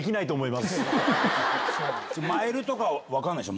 マイルとか、分からないでしょ？